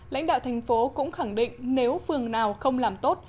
lãnh đạo thành phố cũng khẳng định nếu phường nào không làm tốt